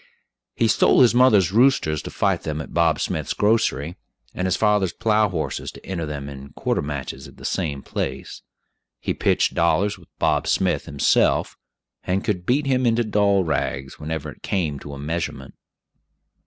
He stole his mother's roosters to fight them at Bob Smith's grocery, and his father's plow horses to enter them in "quarter" matches at the same place. He pitched dollars with Bob Smith himself, and could "beat him into doll rags" whenever it came to a measurement.